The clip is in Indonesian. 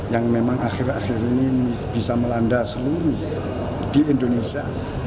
yang memang akhir akhir ini bisa melanda seluruh di indonesia